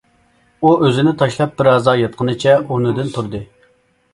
ئۇ ئۆزىنى تاشلاپ بىرھازا ياتقىنىچە ئورنىدىن تۇردى.